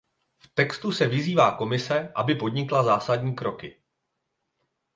V textu se vyzývá Komise, aby podnikla zásadní kroky.